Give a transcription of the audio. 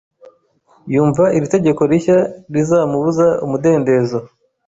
Yumva iri tegeko rishya rizamubuza umudendezo.